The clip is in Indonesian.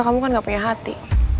kamu kan gak punya hati